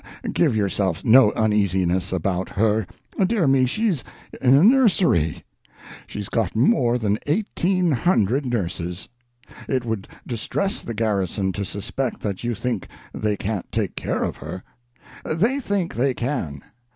Give yourself no uneasiness about her. Dear me, she's in a nursery! and she's got more than eighteen hundred nurses. It would distress the garrison to suspect that you think they can't take care of her. They think they can.